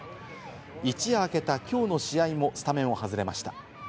一夜明けたきょうの試合もスタメンを外れました。